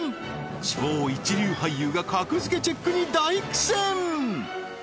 超一流俳優が格付けチェックに大苦戦！